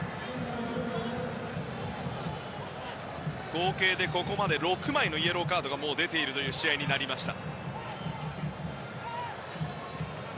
合計でここまで６枚のイエローカードがもう出ているという試合になりました。